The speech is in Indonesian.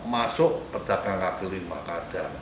masuk pedangnya kaki lima kadang